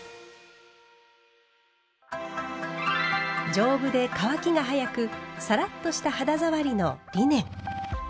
丈夫で乾きが早くサラッとした肌触りのリネン。